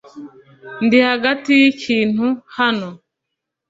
Ndi hagati yikintu hano .